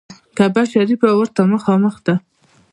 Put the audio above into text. کعبه شریفه ورته مخامخ ده.